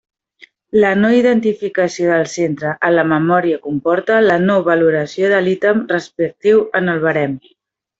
La no-identificació del centre en la memòria comporta la no-valoració de l'ítem respectiu en el barem.